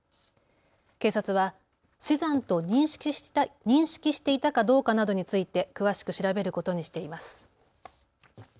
警察は死産と認識していたかどうかなどについて詳しく調べることにしています。